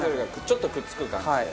ちょっとくっつく感じで。